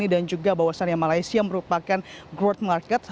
dan juga bahwasannya malaysia merupakan growth market